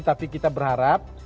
tapi kita berharap